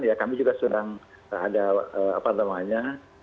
ya kami juga sudah ada apa namanya